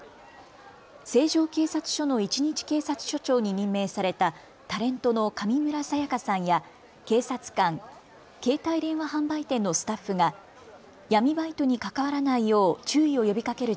成城警察署の１日警察署長に任命されたタレントの上村さや香さんや警察官、携帯電話販売店のスタッフが闇バイトに関わらないよう注意を呼びかける